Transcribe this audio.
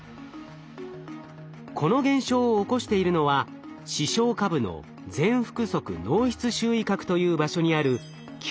この現象を起こしているのは視床下部の前腹側脳室周囲核という場所にあるＱ